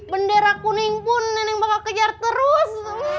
bendera kuning pun nenek bapak kejar terus